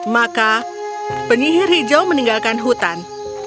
maka penyihir hijau meninggalkan hutan